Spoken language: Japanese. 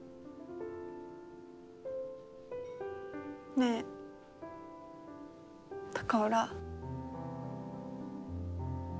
ねえ高浦。